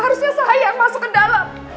harusnya saya masuk ke dalam